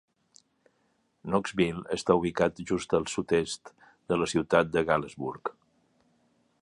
Knoxville està ubicat just al sud-est de la ciutat de Galesburg.